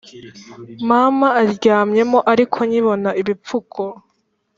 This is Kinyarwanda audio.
mama aryamyemo ariko nkibona ibipfuko